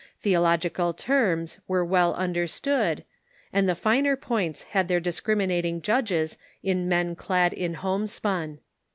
Theological terms were well understood, and the finer points had their discriminating judges in men clad in homespun.